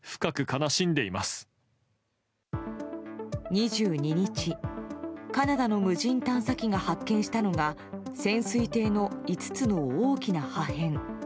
２２日、カナダの無人探査機が発見したのが潜水艇の５つの大きな破片。